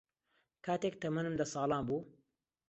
کاتێک تەمەنم دە ساڵان بوو